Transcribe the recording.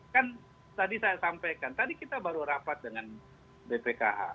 kan tadi saya sampaikan tadi kita baru rapat dengan bpka